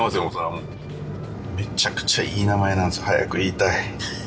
もうめちゃくちゃいい名前なんです早く言いたい